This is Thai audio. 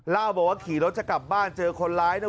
เล่าบอกว่าขี่รถจะกลับบ้านเจอคนร้ายนะ